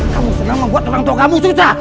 kamu senang membuat orang tua kamu cerita